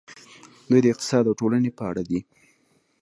دوی د اقتصاد او ټولنې په اړه دي.